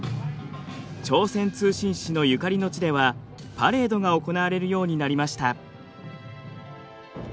朝鮮通信使のゆかりの地ではパレードが行われるようになりました。